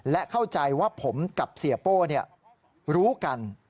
และเข้าใจว่าผมกับเสียโป้รู้กัน